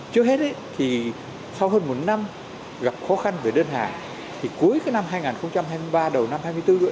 trước hết thì sau hơn một năm gặp khó khăn về đơn hàng thì cuối cái năm hai nghìn hai mươi ba đầu năm hai nghìn hai mươi bốn nữa